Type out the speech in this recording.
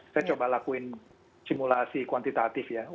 saya coba lakuin simulasi kuantitatif ya